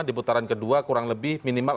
di putaran kedua kurang lebih minimal